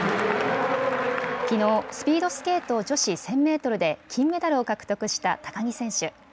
きのう、スピードスケート女子１０００メートルで金メダルを獲得した高木選手。